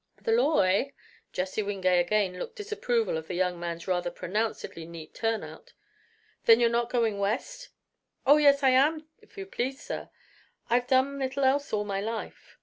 "The law, eh?" Jesse Wingate again looked disapproval of the young man's rather pronouncedly neat turnout. "Then you're not going West?" "Oh, yes, I am, if you please, sir. I've done little else all my life.